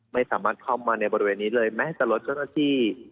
ไม่สามารถเข้ามาในบริเวณนี้เลยแม้แต่รถเจ้าหน้าที่